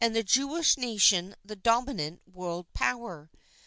the Jewish Nation the dominant world power.